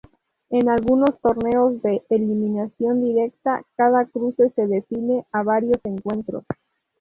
En algunos torneos de eliminación directa, cada cruce se define a varios encuentros.